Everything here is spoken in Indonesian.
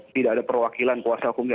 tidak ada perwakilan kuasa hukumnya